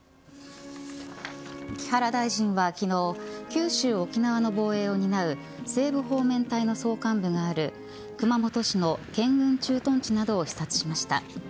木原大臣は昨日九州、沖縄の防衛を担う西部方面隊の総監部がある熊本市の健軍駐屯地などを視察しました。